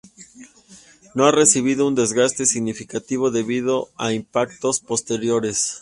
No ha recibido un desgaste significativo debido a impactos posteriores.